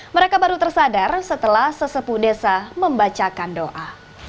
mereka baru tersadar setelah sesepu desa membacakan doa